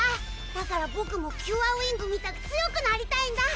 だからボクもキュアウィングみたく強くなりたいんだ！